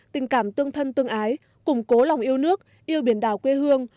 tình cảm tương thân tương ái củng cố lòng yêu nước yêu biển đảo quê hương